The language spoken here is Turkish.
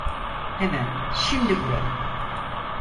Hemen şimdi burada